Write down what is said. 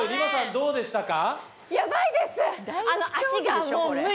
どうでしたか？